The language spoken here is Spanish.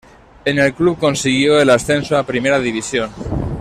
En el club consiguió el ascenso a Primera División.